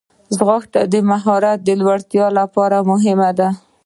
ځغاسته د مهارت لوړتیا لپاره مهمه ده